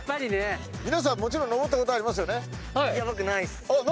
皆さんもちろん上ったことありますよね？